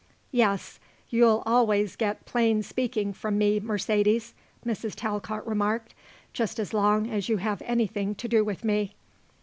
"Yes; you'll always get plain speaking from me, Mercedes," Mrs. Talcott remarked, "just as long as you have anything to do with me."